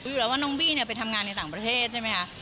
อยู่แล้วว่าน้องบี้เนี่ยไปทำงานในต่างประเทศใช่ไหมคะ